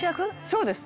「そうです」